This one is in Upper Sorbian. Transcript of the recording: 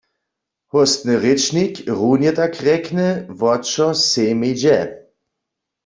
Hóstny rěčnik runje tak rjekny, wo čo sejmej dźe.